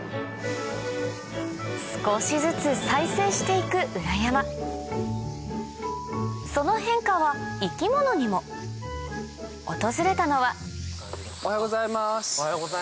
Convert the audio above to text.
少しずつ再生していく裏山その変化は生き物にも訪れたのはおはようございます。